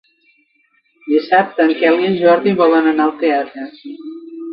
Dissabte en Quel i en Jordi volen anar al teatre.